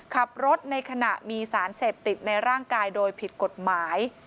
ขับรถในขณะมีสารเสพติดในร่างกายโดยผิดกฎหมาย